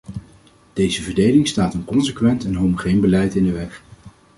Deze verdeling staat een consequent en homogeen beleid in de weg.